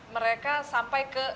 mereka sampai ke